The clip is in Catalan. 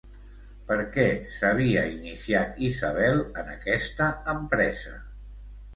Per què s'havia iniciat Isabel en aquesta empresa?